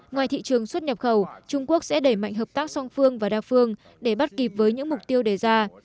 ngoài thị trường xuất nhập khẩu trung quốc sẽ đẩy mạnh hợp tác song phương và đa phương để bắt kịp với những mục tiêu đề ra